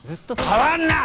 触んな！